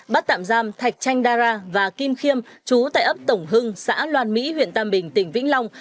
bắt tạm giam thạch chanh dara và kim khiêm chú tại ấp tổng hưng xã loan mỹ huyện tam bình tỉnh vĩnh long